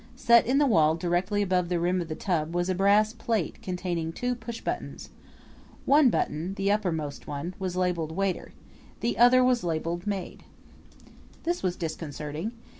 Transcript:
Set in the wall directly above the rim of the tub was a brass plate containing two pushbuttons. One button, the uppermost one, was labeled Waiter the other was labeled Maid. This was disconcerting.